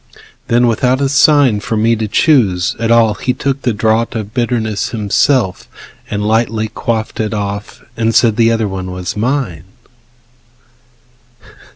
Then, without a sign For me to choose at all, he took the draught Of bitterness himself, and lightly quaffed It off, and said the other one was mine.